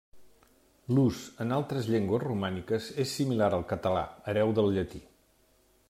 L'ús en altres llengües romàniques és similar al català, hereu del llatí.